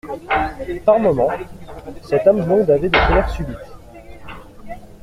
Par moments, cette âme blonde avait des colères subites.